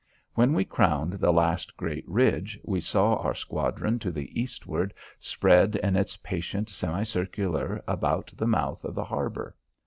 When we crowned the last great ridge we saw our squadron to the eastward spread in its patient semicircular about the mouth of the harbour.